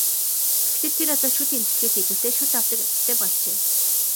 Гэхдээ тэр одоо шүд эмчлэхээс илүүтэй шүд авдаг ажилтай болжээ.